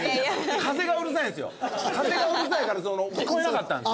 風がうるさいから聞こえなかったんですよ。